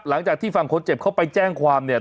หลังจากที่ฝั่งคนเจ็บเขาไปแจ้งความเนี่ย